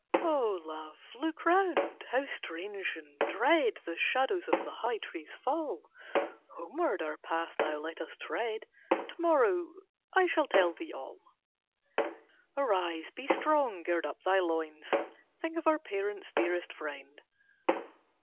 "O Love, look round, how strange and dread The shadows of the high trees fall, Homeward our path now let us tread, To morrow I shall tell thee all. "Arise! Be strong! Gird up thy loins! Think of our parents, dearest friend!